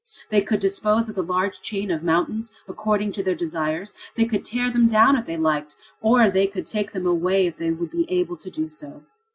They could dispose of the large chain of mountains according to their desires; they could tear them down if they liked, or they could take them away if they would be able to do so.